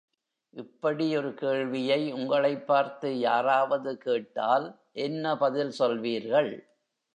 இப்படி ஒரு கேள்வியை உங்களைப் பார்த்து யாராவது கேட்டால் என்ன பதில் சொல்வீர்கள்?